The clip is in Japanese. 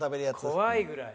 怖いぐらい。